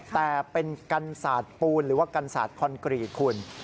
แต่เป็นกันศาสตร์ปูนหรือว่ากันศาสตร์คอนกรีตคุณ